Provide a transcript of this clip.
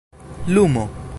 lumo